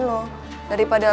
ya kemarin nih